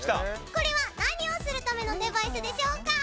これは何をするためのデバイスでしょうか？